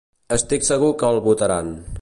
Estic segur que el votaran.